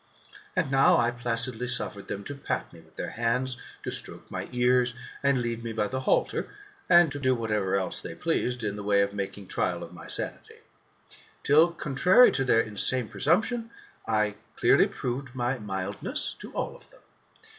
And now I placidly suffered them to pat me with their hands, to stroke my ears, and lead me by the halter, and to do whatever else they pleased, in the way of making trial of my sanity ; till, contrary to their insane presumption, I clearly proved my mildness to all of them.